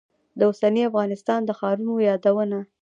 د اوسني افغانستان د ښارونو یادونه.